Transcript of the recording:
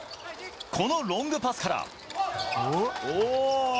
このロングパスから。